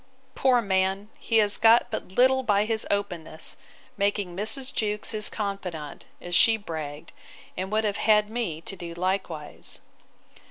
Poor man! he has got but little by his openness, making Mrs. Jewkes his confidant, as she bragged, and would have had me to do likewise.